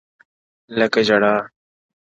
لكه ژړا،